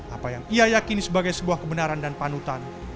apa yang ia yakini sebagai sebuah kebenaran dan panutan